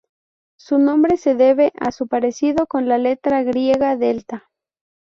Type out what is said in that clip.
Su nombre se debe a su parecido con la letra griega delta.